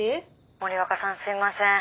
森若さんすいません。